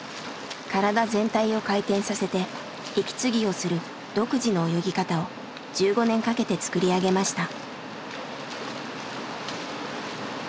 体全体を回転させて息継ぎをする独自の泳ぎ方を１５年かけて作り上げました。